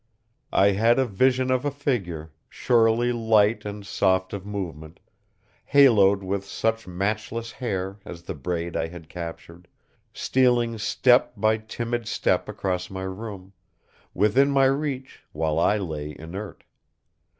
I had a vision of a figure, surely light and soft of movement, haloed with such matchless hair as the braid I had captured, stealing step by timid step across my room; within my reach while I lay inert.